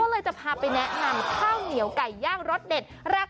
เลยจะพาไปแนะนำข้าวเหนียวไก่ย่างรสเด็ดราคา